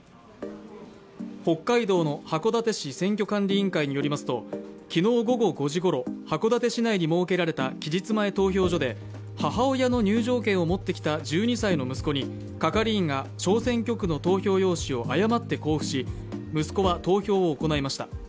北海道の函館市選挙管理委員会によりますと昨日午後５時ごろ函館市内に設けられた期日前投票所で母親の入場券を持ってきた１２歳の息子に係員が小選挙区の投票用紙を誤って交付し息子は投票を行いました。